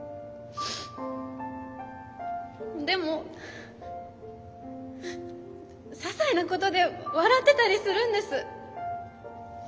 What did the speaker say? でもささいなことで笑ってたりするんです。